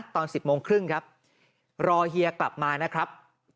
ตอน๑๐โมงครึ่งครับรอเฮียกลับมานะครับ